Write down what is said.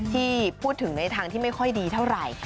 ที่พูดถึงในทางที่ไม่ค่อยดีเท่าไหร่